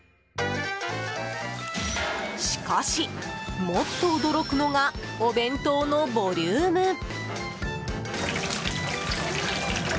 しかし、もっと驚くのがお弁当のボリューム！